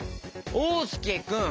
おうすけくん。